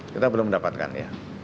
kita belum mendapatkan ya